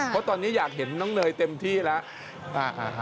เพราะตอนนี้อยากเห็นน้องเนยเต็มที่แล้ว